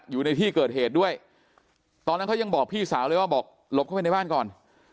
อยู่ในที่เกิดเหตุด้วยตอนนั้นเขายังบอกพี่สาวเลยว่าบอกหลบเข้าไปในบ้านก่อน